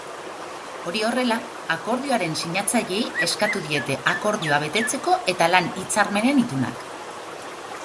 Hori horrela, akordioaren sinatzaileei eskatu diete akordioa betetzeko eta lan-hitzarmenen itunak sustatzeko.